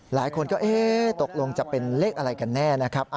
หลายคนก็เอ๊ะตกลงจะเป็นเลขอะไรกันแน่นะครับ